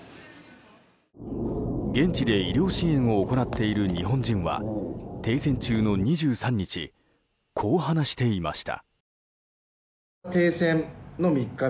現地で医療支援を行っている日本人は停戦中の２３日こう話していました。